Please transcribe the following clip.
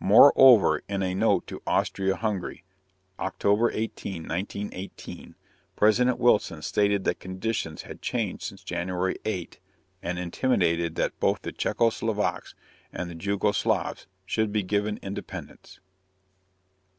Moreover, in a note to Austria Hungary, October 18, 1918, President Wilson stated that conditions had changed since January 8, and intimated that both the Czecho Slovaks and the Jugo Slavs should be given independence.